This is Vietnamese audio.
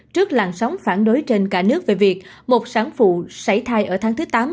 trước làn sóng phản đối trên cả nước về việc một sản phụ xảy thai ở tháng thứ tám